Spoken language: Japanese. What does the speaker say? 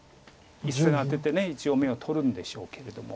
１線アテて一応眼を取るんでしょうけれども。